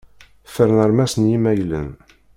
Fern armas n yimaylen.